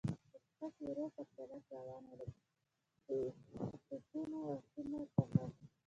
په شپه کې ورو پر سړک روان و، له توپونو، اسونو څخه.